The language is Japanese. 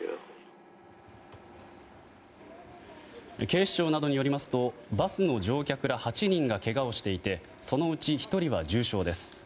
警視庁などによりますとバスの乗客ら８人がけがをしていてそのうち１人は重傷です。